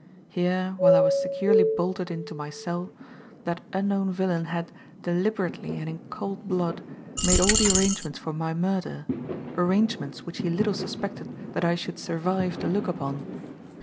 Here, while I was securely bolted into my cell, that unknown villain had, deliberately and in cold blood, made all the arrangements for my murder; arrangements which he little suspected that I should survive to look upon.